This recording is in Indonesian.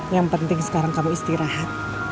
yang penting sekarang kamu istirahat